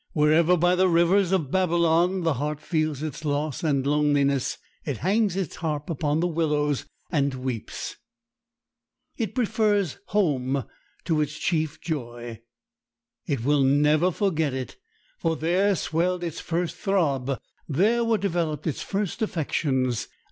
Wherever by the rivers of Babylon the heart feels its loss and loneliness, it hangs its harp upon the willows, and weeps. It prefers home to its chief joy. It will never forget it; for there swelled its first throb, there were developed its first affections.